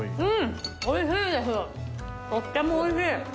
とっても美味しい！